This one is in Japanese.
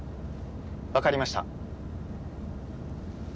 分かりました。